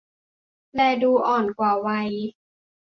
แลดูอ่อนกว่าวัย